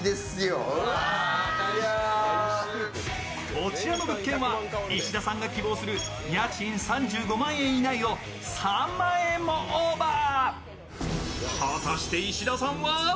こちらの物件は石田さんが希望する家賃３５万円以内を３万円もオーバー。